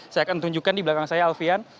saya akan tunjukkan di belakang saya alfian